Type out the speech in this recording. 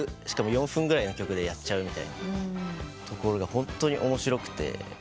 しかも４分ぐらいの曲でやっちゃうみたいなところがホントに面白くて。